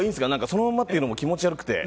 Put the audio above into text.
そのままっていうのも気持ち悪くて。